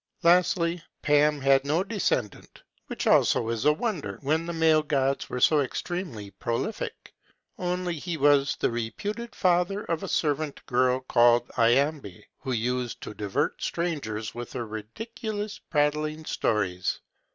Lastly, Pan had no descendant, which also is a wonder, when the male gods were so extremely prolific; only he was the reputed father of a servant girl called Iambe, who used to divert strangers with her ridiculous prattling stories.